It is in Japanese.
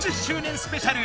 スペシャル